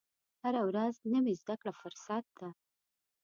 هره ورځ نوې زده کړه فرصت ده.